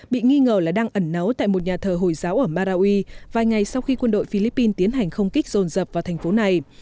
bị nghi ngờ là đang ẩn náu tại một nhà thờ hồi giáo ở marawi vài ngày sau khi quân đội philippines tiến hành không kích rồn rập vào thành phố này